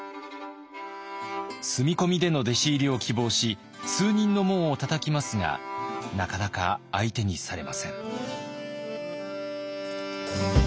住み込みでの弟子入りを希望し数人の門をたたきますがなかなか相手にされません。